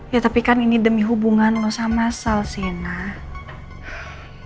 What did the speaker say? ya tapi kan ini demi hubungan lo sama sal sih nah